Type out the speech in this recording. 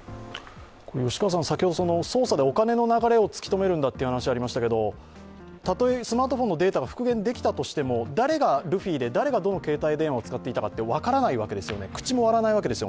先ほど、捜査でお金の流れを突き止めるんだってありましたけどたとえ、スマートフォンのデータが復元できたとしても、誰がルフィで誰がどの携帯電話を使っていたか分からないわけですよね、口も割らないわけですよね。